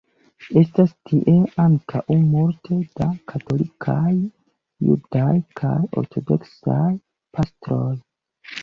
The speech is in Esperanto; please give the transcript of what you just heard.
Estas tie ankaŭ multe da katolikaj, judaj kaj ortodoksaj pastroj.